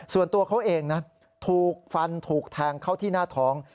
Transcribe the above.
ส่วนตัวเขาเองนะถูกฟันถูกแทงเข้าที่หน้าท้อง